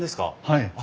はい。